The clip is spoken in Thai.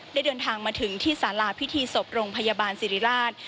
ได้เดินทางมาถึงที่สาราพิธีศพโรงพยาบาลสิริราช